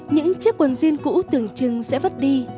những chiếc quần jean cũ tưởng chừng sẽ vất đi